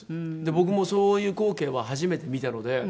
僕もそういう光景は初めて見たので。